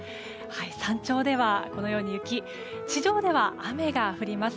山頂ではこのように雪地上では雨が降ります。